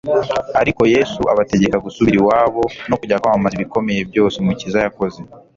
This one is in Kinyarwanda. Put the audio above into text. Ariko Yesu abategeka gusubira iwabo no kujya kwamamaza ibikomeye byose Umukiza yakoze.